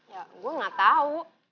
ya gue gak tau